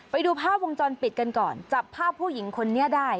ไปดูภาพวงจรปิดกันก่อนจับภาพผู้หญิงคนนี้ได้